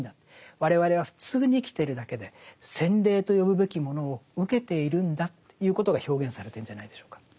我々は普通に生きてるだけで洗礼と呼ぶべきものを受けているんだということが表現されてるんじゃないでしょうか。